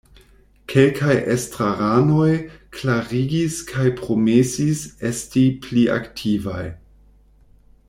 Kelkaj estraranoj klarigis kaj promesis esti pli aktivaj.